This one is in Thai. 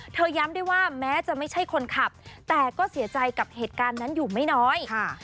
ย้ำด้วยว่าแม้จะไม่ใช่คนขับแต่ก็เสียใจกับเหตุการณ์นั้นอยู่ไม่น้อยค่ะ